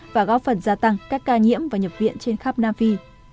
và góp phần gia tăng các ca nhiễm và nhập viện trên khắp nam phi